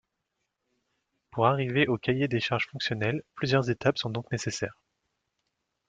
Pour arriver au cahier des charges fonctionnel, plusieurs étapes sont donc nécessaires.